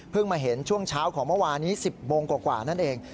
มาเห็นช่วงเช้าของเมื่อวานนี้๑๐โมงกว่านั่นเอง